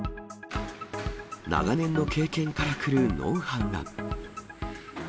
長年の経験から来るノウハウが。